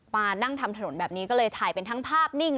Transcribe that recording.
มานั่งทำถนนแบบนี้ก็เลยถ่ายเป็นทั้งภาพนิ่ง